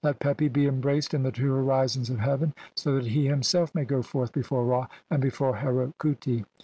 "Let Pepi be embraced in the two horizons of "heaven, (171) so that he himself may go forth before "Ra and before Heru khuti."